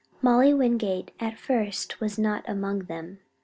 Molly Wingate at first was not among them.